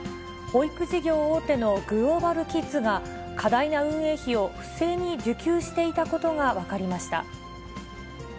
保育事業大手のグローバルキッズが、過大な運営費を不正に受給していたことが分かりました。